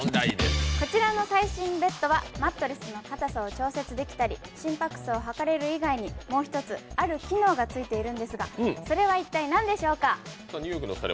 こちらの最新ベッドはマットレスの硬さを調節できたり心拍数を図れる以外にもう一つある機能があるんですがそれは一体何でしょうか？